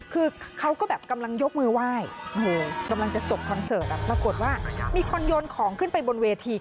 คือเขาก็แบบกำลังยกมือไหว้กำลังจะจบคอนเสิร์ตปรากฏว่ามีคนโยนของขึ้นไปบนเวที